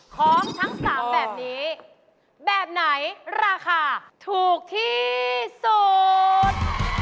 ของทั้ง๓แบบนี้แบบไหนราคาถูกที่สุด